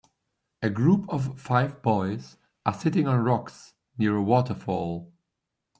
A group of five boys are sitting on rocks near a waterfall.